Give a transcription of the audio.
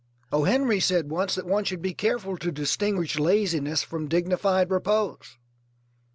O. Henry said once that one should be careful to distinguish laziness from dignified repose.